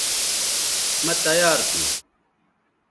مہ تیار تھو